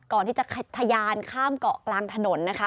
ก่อนที่จะทยานข้ามเกาะกลางถนนนะคะ